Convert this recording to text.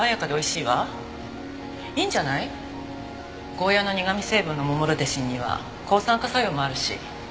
ゴーヤの苦味成分のモモルデシンには抗酸化作用もあるし。